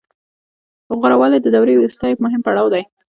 غوره والی د دورې وروستی مهم پړاو دی